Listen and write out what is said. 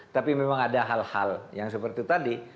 tapi memang ada hal hal yang seperti tadi